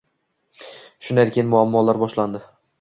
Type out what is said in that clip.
Shundan keyin muammolar boshlandi